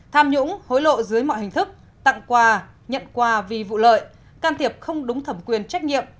tham nhũng hối lộ dưới mọi hình thức tặng quà nhận quà vì vụ lợi can thiệp không đúng thẩm quyền trách nhiệm